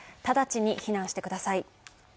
直ちに避難してください。